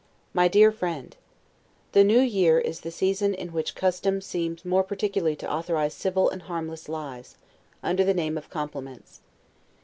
MY DEAR FRIEND: The new year is the season in which custom seems more particularly to authorize civil and harmless lies, under the name of compliments.